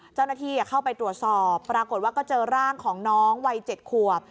เจ้าหน้าที่เข้าไปตรวจสอบปรากฏว่าก็เจอร่างของน้องวัย๗ขวบ